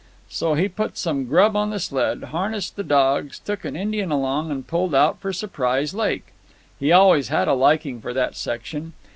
So he put some grub on the sled, harnessed the dogs, took an Indian along, and pulled out for Surprise Lake. He always had a liking for that section.